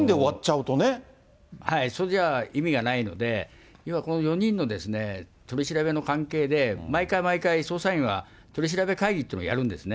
それじゃあ意味がないので、今、この４人の取り調べの関係で毎回毎回、捜査員は取り調べ会議っていうのをやるんですね。